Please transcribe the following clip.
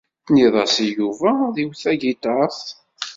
Tenniḍ-as i Yuba ad iwet tagiṭart.